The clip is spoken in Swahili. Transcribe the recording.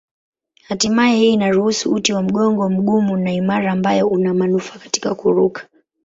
Hatimaye hii inaruhusu uti wa mgongo mgumu na imara ambayo una manufaa katika kuruka.